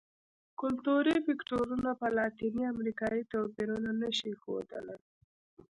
کلتوري فکټورونه په لاتینه امریکا کې توپیرونه نه شي ښودلی.